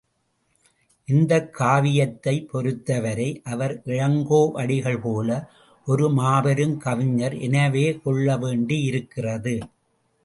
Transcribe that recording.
இந்தக் காவியத்தைப் பொருத்தவரை அவர் இளங்கோவடிகள் போல ஒரு மாபெருங் கவிஞர் எனவே கொள்ள வேண்டி இருக்கிறது.